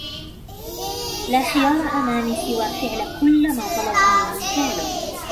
لا خيار أمامي سوى فعل كلّ ما طلبوا منّي فعله.